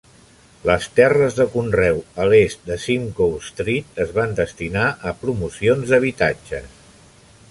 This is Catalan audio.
Les terres de conreu a l'est de Simcoe Street es van destinar a promocions d'habitatges.